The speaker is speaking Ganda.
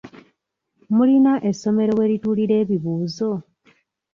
Mulina essomero werituulira ebibuuzo?